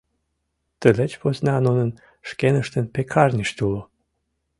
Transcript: Тылеч посна нунын шкеныштын пекарньышт уло.